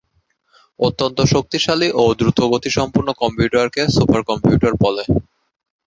অত্যন্ত শক্তিশালী ও দ্রুতগতিসম্পন্ন কম্পিউটারকে সুপার কম্পিউটার বলে।